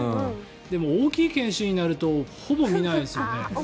でも、大きい犬種になるとほぼ見ないですよね。